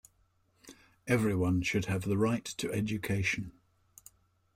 Everyone should have the right to education.